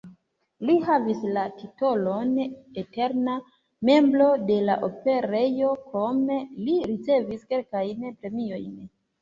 Li havis la titolon "eterna membro de la Operejo", krome li ricevis kelkajn premiojn.